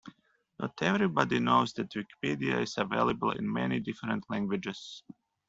Not everybody knows that Wikipedia is available in many different languages